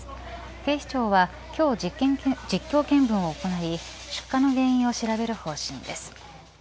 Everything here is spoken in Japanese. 警視庁は今日、実況見分を行い出火の原因を調べる方針です。